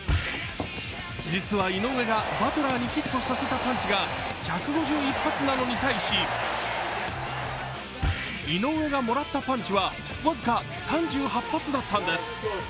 実は、井上がバトラーにヒットさせたパンチが１５１発なのに対し井上がもらったパンチは僅か３８発だったんです。